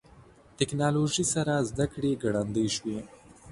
ټکنالوژي سره زدهکړه ګړندۍ شوې.